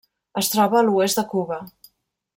Es troba a l'oest de Cuba.